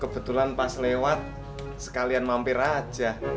kebetulan pas lewat sekalian mampir aja